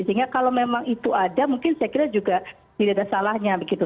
sehingga kalau memang itu ada mungkin saya kira juga tidak ada salahnya begitu